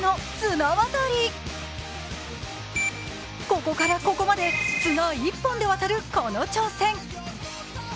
ここからここまで綱１本で渡るこの挑戦。